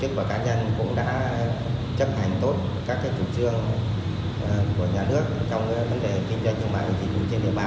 trong cái dịch vụ